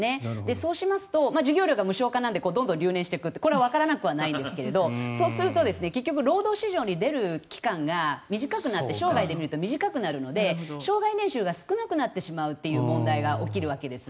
そうしますと授業料が無償化なのでどんどん留年していくこれはわからなくはないんですがそうすると、結局労働市場に出る期間が短くなって生涯で見ると短くなって生涯年収が少なくなるという問題が起きるわけです。